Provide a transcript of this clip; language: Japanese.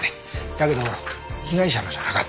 だけど被害者のじゃなかった。